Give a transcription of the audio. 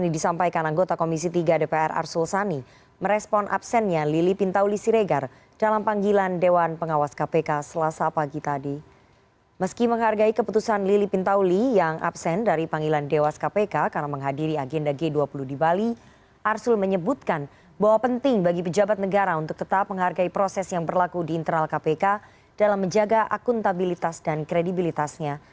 di agenda g dua puluh di bali arsul menyebutkan bahwa penting bagi pejabat negara untuk tetap menghargai proses yang berlaku di internal kpk dalam menjaga akuntabilitas dan kredibilitasnya